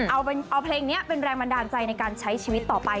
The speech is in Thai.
เอาเพลงนี้เป็นแรงบันดาลใจในการใช้ชีวิตต่อไป